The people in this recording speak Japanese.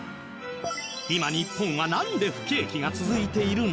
今日本はなんで不景気が続いているの？